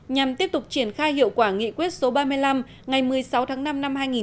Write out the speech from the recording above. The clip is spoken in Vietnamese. nhằm tiếp tục triển khai hiệu quả nghị quyết số ba mươi năm ngày một mươi sáu tháng năm năm hai nghìn một mươi